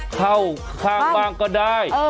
เข้าข้างบ้างก็ได้